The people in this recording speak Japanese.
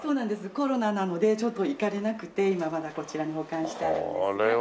コロナなのでちょっと行かれなくて今はまだこちらに保管してあるんですが。